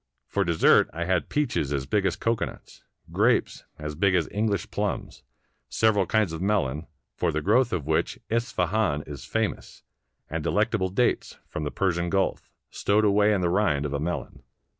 For dessert I had peaches as big as cocoanuts, grapes as big as English plums, several kinds of melon, for the growth of which Isfahan is famous, and delectable dates, from the Persian Gulf, stowed away in the rind of a melon.